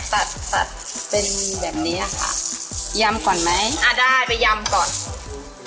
ตัดตัดเป็นแบบเนี้ยค่ะยำก่อนไหมอ่าได้ไปยำก่อน